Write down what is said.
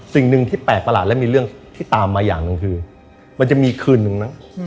สิ่งหนึ่งที่แปลกประหลาดและมีเรื่องที่ตามมาอย่างหนึ่งคือมันจะมีคืนนึงนะ